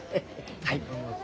はい。